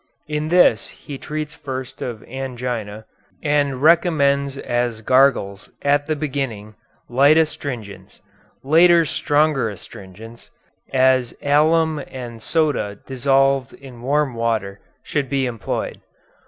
In this he treats first of angina, and recommends as gargles at the beginning light astringents; later stronger astringents, as alum and soda dissolved in warm water, should be employed.